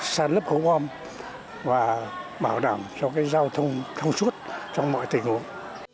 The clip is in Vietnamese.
sáng lấp khống ôm và bảo đảm cho cái giao thông thông suốt trong mọi tình huống